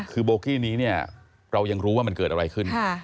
คือโบกี้นี้เนี่ยเรายังรู้ว่ามันเกิดอะไรขึ้น